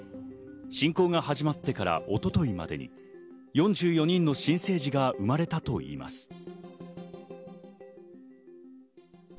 侵攻が始まってから一昨日までに４４人の新生児が生まれたといいます。